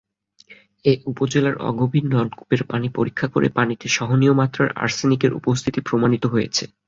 এ উপজেলার অগভীর নলকূপের পানি পরীক্ষা করে পানিতে সহনীয় মাত্রার আর্সেনিকের উপস্থিতি প্রমাণিত হয়েছে।